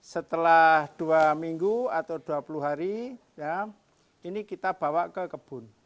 setelah dua minggu atau dua puluh hari ini kita bawa ke kebun